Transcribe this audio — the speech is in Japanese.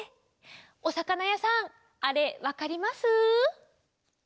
おさかなやさんあれわかります？